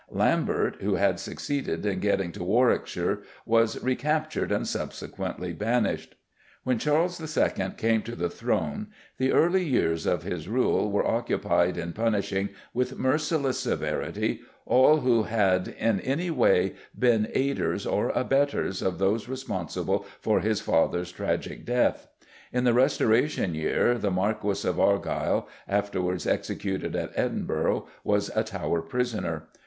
Lambert, who had succeeded in getting to Warwickshire, was recaptured and subsequently banished. When Charles II. came to the throne the early years of his rule were occupied in punishing, with merciless severity, all who had in any way been aiders or abettors of those responsible for his father's tragic death. In the Restoration year the Marquis of Argyll, afterwards executed in Edinburgh, was a Tower prisoner.